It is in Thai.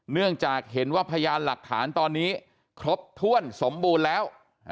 เนื่องจากเห็นว่าพยานหลักฐานตอนนี้ครบถ้วนสมบูรณ์แล้ว